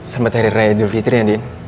selamat hari raya dul fitrin ya din